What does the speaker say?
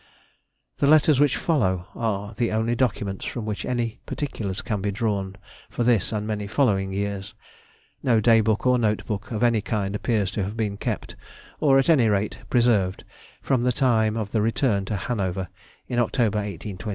The letters which follow are the only documents from which any particulars can be drawn for this and many following years. No Day book or note book of any kind appears to have been kept, or at any rate preserved, from the time of the return to Hanover in October, 1822, until the year 1833.